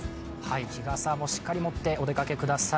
日傘もしっかり持ってお出かけください。